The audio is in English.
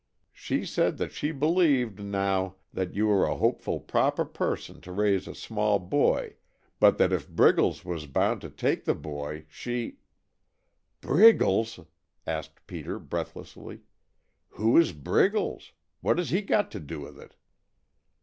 "She said that she believed, now, you were a fully proper person to raise a small boy, but that if Briggles was bound to take the boy, she " "Briggles?" asked Peter breathlessly. "Who is Briggles? What has he got to do with it?"